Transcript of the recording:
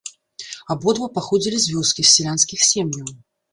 Абодва паходзілі з вёскі, з сялянскіх сем'яў.